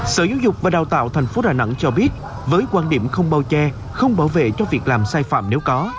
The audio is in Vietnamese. sở giáo dục và đào tạo tp đà nẵng cho biết với quan điểm không bao che không bảo vệ cho việc làm sai phạm nếu có